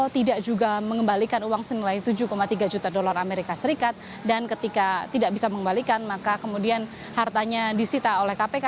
tidak juga mengembalikan uang senilai tujuh tiga juta dolar amerika serikat dan ketika tidak bisa mengembalikan maka kemudian hartanya disita oleh kpk